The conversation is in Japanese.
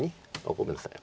ごめんなさい。